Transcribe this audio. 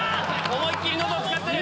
思いっ切り喉を使ってる！